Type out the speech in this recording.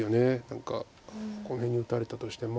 何かこの辺に打たれたとしても。